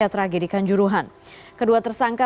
tragedikan juruhan kedua tersangka